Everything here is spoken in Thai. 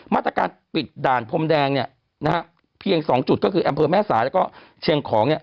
มาตรการปิดด่านพรมแดงเพียง๒จุดก็คือแอมเภอแม่สายและเชียงของ